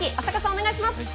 お願いします。